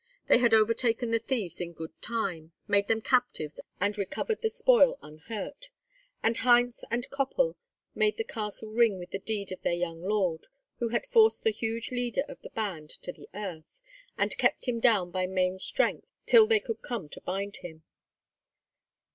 They had overtaken the thieves in good time, made them captives, and recovered the spoil unhurt; and Heinz and Koppel made the castle ring with the deed of their young lord, who had forced the huge leader of the band to the earth, and kept him down by main strength till they could come to bind him.